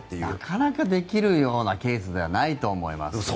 なかなかできるようなケースではないと思います。